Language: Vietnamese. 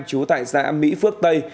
chú tại xã mỹ phước tây